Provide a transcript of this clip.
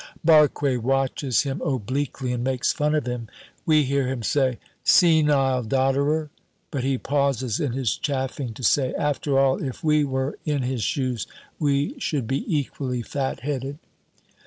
Barque watches him obliquely, and makes fun of him. We hear him say, "Senile dodderer!" But he pauses in his chaffing to say, "After all, if we were in his shoes we should be equally fatheaded."